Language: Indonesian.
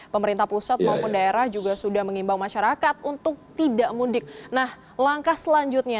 pemerintah pusat maupun daerah juga sudah mengimbau masyarakat untuk tidak mudik nah langkah selanjutnya